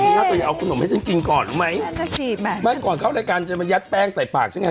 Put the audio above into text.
นี่น่าจะอย่าเอาขนมให้ฉันกินก่อนรึไหมไม่ก่อนเข้ารายการจะมายัดแป้งใส่ปากฉันไง